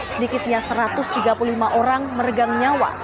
sedikitnya satu ratus tiga puluh lima orang meregang nyawa